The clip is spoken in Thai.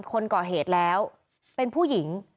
คนก่อเหตุแล้วเป็นผู้หญิง